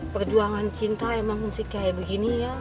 perjuangan cinta emang mesti kayak begini ya